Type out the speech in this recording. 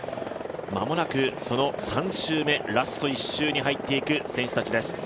間もなくその３周目ラスト１周に入っていく選手たちです。